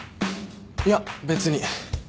いや別に。